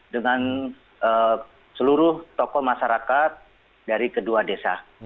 dengan seluruh tokoh masyarakat dari kedua desa